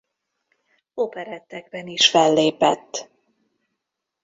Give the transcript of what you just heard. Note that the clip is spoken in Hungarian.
Operettekben is fellépett.